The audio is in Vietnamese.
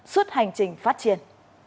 suốt hành trình phát triển